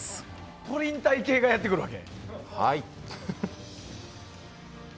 プリン体系がやってくるわけ？